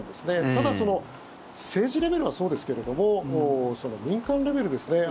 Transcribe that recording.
ただ、政治レベルはそうですけど民間レベルですね。